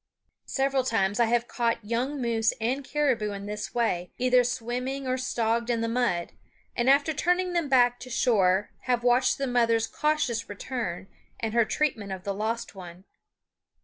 Several times I have caught young moose and caribou in this way, either swimming or stogged in the mud, and after turning them back to shore have watched the mother's cautious return and her treatment of the lost one.